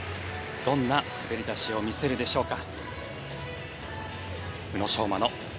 どんな滑り出しを見せるでしょうか。